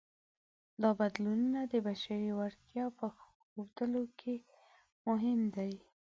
دا بدلونونه د بشري وړتیا په ښودلو کې مهم دي.